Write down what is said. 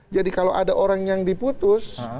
jadi kalau ada orang yang diputus